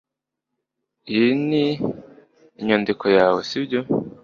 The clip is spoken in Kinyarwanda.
iyi ni inyandiko yawe, sibyo